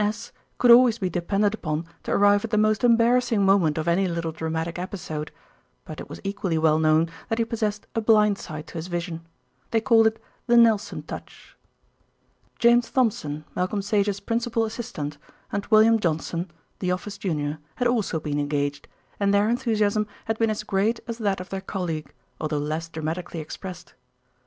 S." could always be depended upon to arrive at the most embarrassing moment of any little dramatic episode; but it was equally well known that he possessed a "blind side" to his vision. They called it "the Nelson touch." James Thompson, Malcolm Sage's principal assistant, and William Johnson, the office junior, had also been engaged, and their enthusiasm has been as great as that of their colleague, although less dramatically expressed.